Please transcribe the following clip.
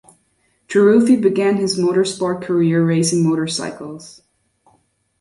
Taruffi began his motorsport career racing motorcycles.